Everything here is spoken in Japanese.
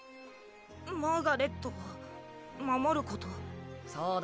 マーガレットを守ることそうだ。